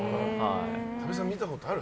多部さん、見たことある？